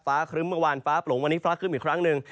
ครึ้มเมื่อวานฟ้าปลงวันนี้ฟ้าครึ่มอีกครั้งหนึ่ง